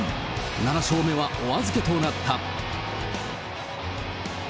７勝目はお預けとなった。